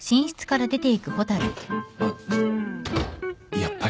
やっぱり。